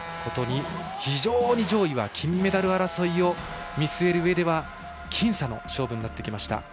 非常に上位は金メダル争いを見据えるうえでは僅差の勝負になってきました。